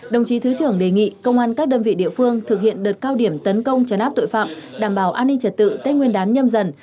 đồng chí thứ trưởng đề nghị công an các đơn vị địa phương thực hiện đợt cao điểm tấn công chấn áp tội phạm đảm bảo an ninh trật tự tết nguyên đán nhâm dần